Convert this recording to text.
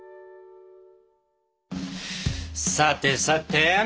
さてさて。